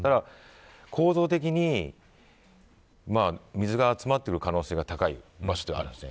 構造的に水が集まっている可能性が高い場所ではあります。